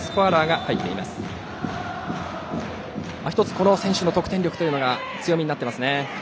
山岸選手の得点力が強みになっていますね。